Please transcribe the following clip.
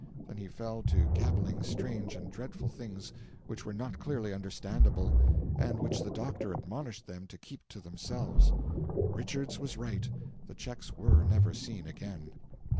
Then he fell to gabbling strange and dreadful things which were not clearly understandable, and which the doctor admonished them to keep to themselves. Richards was right; the cheques were never seen again.